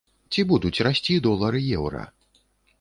Ці будуць расці долар і еўра?